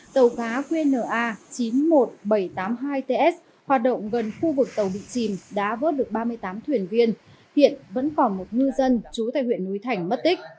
tàu cá qnna chín mươi một nghìn bảy trăm tám mươi hai ts hoạt động gần khu vực tàu bị chìm đã vớt được ba mươi tám thuyền viên hiện vẫn còn một ngư dân trú tại huyện núi thành mất tích